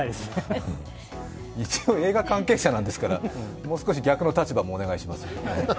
一応、映画関係者なんですからもう少し逆の立場もお願いします。